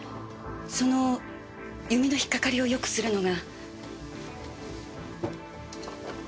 その弓の引っ掛かりをよくするのが。